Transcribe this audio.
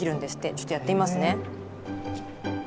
ちょっとやってみますね。